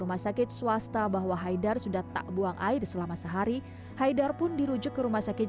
rumah sakit swasta bahwa haidar sudah tak buang air selama sehari haidar pun dirujuk ke rumah sakit